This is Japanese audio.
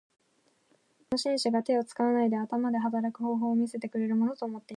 人民たちはこの紳士が手を使わないで頭で働く方法を見せてくれるものと思っていました。